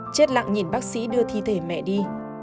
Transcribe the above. chết lặng nhìn bác sĩ đưa thi thể mẹ đi